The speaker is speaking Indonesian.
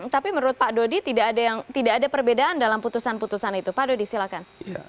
tapi menurut pak dodi tidak ada perbedaan dalam putusan putusan itu pak dodi silakan